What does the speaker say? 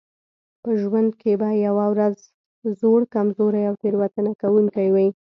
په ژوند کې به یوه ورځ زوړ کمزوری او تېروتنه کوونکی وئ.